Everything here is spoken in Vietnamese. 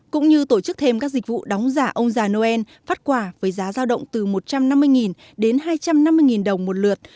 cũng như tổ chức thêm các dịch vụ đóng giả ông già noel phát quả với giá giao động từ một trăm năm mươi đến hai trăm năm mươi đồng một lượt